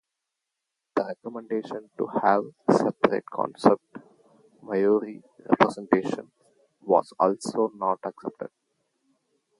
The recommendation to have separate concept Maori representation was also not accepted.